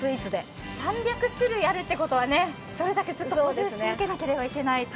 ３００種類あるということはそれだけずっと作り続けなければいけない。